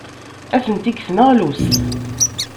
Atenti deg tneɣlust.